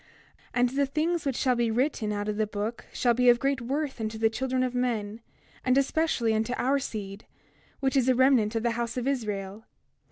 28:2 And the things which shall be written out of the book shall be of great worth unto the children of men, and especially unto our seed, which is a remnant of the house of Israel.